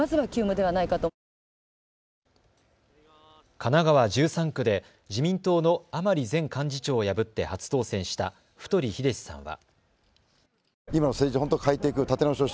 神奈川１３区で自民党の甘利前幹事長を破って初当選した太栄志さんは。